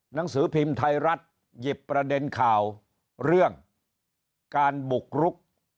หนังสือพิมพ์ไทยรัฐหยิบประเด็นข่าวเรื่องการบุกรุก